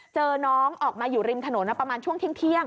เจอน้องออกมาอยู่ริมถนนประมาณช่วงเที่ยง